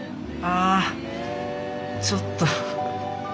あちょっと。